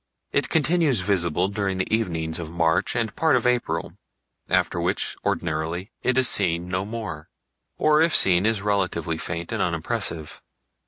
It continues visible during the evenings of March and part of April, after which, ordinarily, it is seen no more, or if seen is relatively faint and unimpressive.